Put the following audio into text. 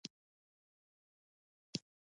ګل د زړه تسکین دی.